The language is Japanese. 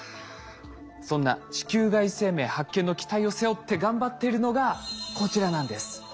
そんな地球外生命発見の期待を背負って頑張っているのがこちらなんです。